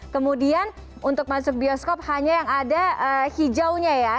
kemudian untuk masuk bioskop hanya yang ada hijaunya ya